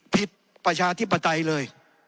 ประชาธิปไตยเลย